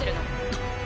あっ。